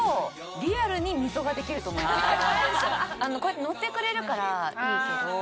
こうやって乗ってくれるからいいけど。